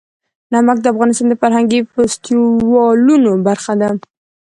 نمک د افغانستان د فرهنګي فستیوالونو برخه ده.